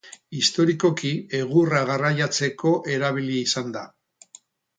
Historikoki egurra garraiatzeko erabili izan da.